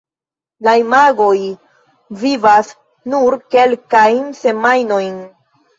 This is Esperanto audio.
La imagoj vivas nur kelkajn semajnojn.